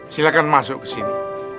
silahkan masuk kesini